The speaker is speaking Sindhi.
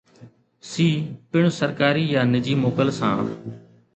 سي پڻ سرڪاري يا نجي موڪل سان